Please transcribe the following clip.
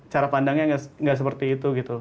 cara pandangnya nggak seperti itu gitu